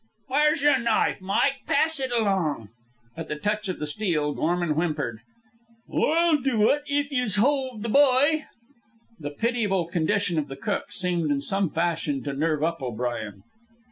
"Where's yer knife, Mike? Pass it along." At the touch of the steel, Gorman whimpered. "I'll do ut, if yez'll hold the b'y." The pitiable condition of the cook seemed in some fashion to nerve up O'Brien.